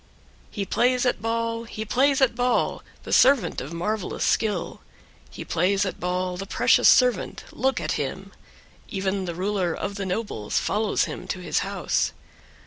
9. He plays at ball, he plays at ball, the servant of marvellous skill; he plays at ball, the precious servant; look at him; even the ruler of the nobles follows him to his house.